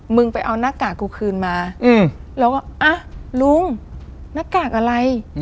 มึงไปเอาหน้ากากกูคืนมาแล้วก็อ่ะลุงหน้ากากอะไร